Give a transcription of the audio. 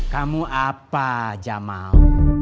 kamu apa jamal